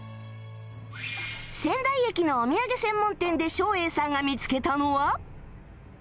川内駅のお土産専門店で照英さんが見つけたのは